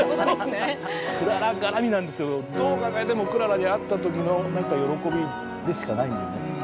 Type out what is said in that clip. どう考えてもクララに会った時のなんか喜びでしかないんだよね。